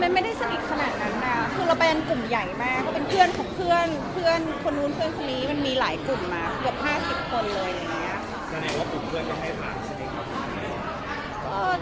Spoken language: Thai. มันไม่ได้สนิทขนาดนั้นน่ะคือเราเป็นกลุ่มใหญ่มากเพราะว่าเป็นเพื่อนของเพื่อนเพื่อนคนนู้นเพื่อนคนนี้มันมีหลายกลุ่มมาเหียบ๕๐คนเลยอย่างงั้น